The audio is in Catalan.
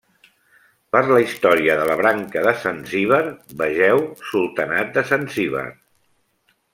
Per la història de la branca de Zanzíbar vegeu Sultanat de Zanzíbar.